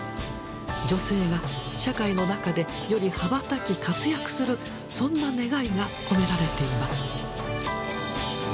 女性が社会の中でより羽ばたき活躍するそんな願いが込められています。